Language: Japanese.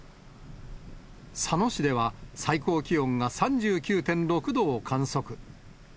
佐野市では、最高気温が３９．６度を観測。